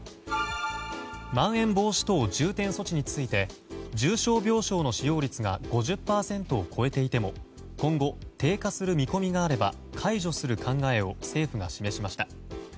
まん延防止等重点措置について重症病床の使用率が５０％を超えていても今後、低下する見込みがあれば解除する考えを政府が示しました。